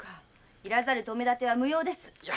要らざるとめだては無用です。